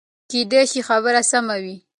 کېدای شي خبره سمه وي.